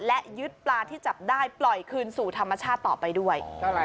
และยึดปลาที่จับได้ปล่อยคืนสู่ธรรมชาติต่อไปด้วย